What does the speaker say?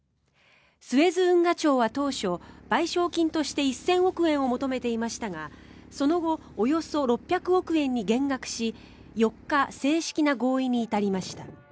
スエズ運河庁は当初賠償金として１０００億円を求めていましたがその後およそ６００億円に減額し４日、正式な合意に至りました。